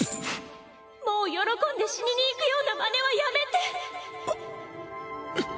もう喜んで死ににいくようなまねはやめて！